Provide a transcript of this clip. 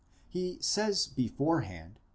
He says beforehand (v.